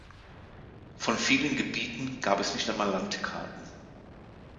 Von vielen Gebieten gab es nicht einmal Landkarten.